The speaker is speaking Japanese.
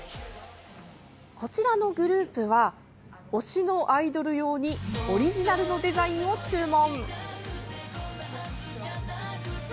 こちらのグループは推しのアイドル用にオリジナルのデザインを注文。